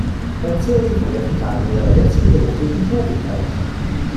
Erzählen Sie vom ersten Tag in ihrer jetzigen beruflichen Tätigkeit.